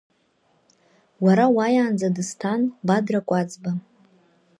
Уара уааиаанӡа дысҭан Бадра Кәаӡба.